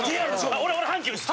俺阪急です。